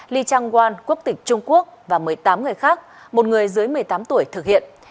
lee chang wan quốc tịch trung quốc và một mươi tám người khác một người dưới một mươi tám tuổi thực hiện